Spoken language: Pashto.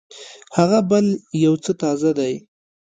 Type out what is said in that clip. هغه بل يو څه تازه دی.